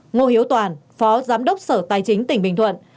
ngô hiếu toàn phó giám đốc sở tài chính tỉnh bình thuận